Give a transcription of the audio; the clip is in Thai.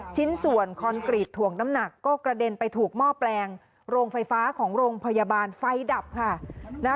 ชิ้นส่วนคอนกรีตถ่วงน้ำหนักก็กระเด็นไปถูกหม้อแปลงโรงไฟฟ้าของโรงพยาบาลไฟดับค่ะ